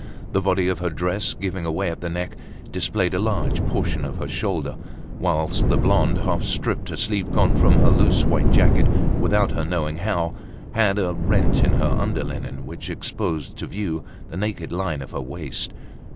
The body of her dress, giving way at the neck, displayed a large portion of her shoulder; whilst the blonde, half stripped, a sleeve gone from her loose white jacket without her knowing how, had a rent in her underlinen, which exposed to view the naked line of her waist.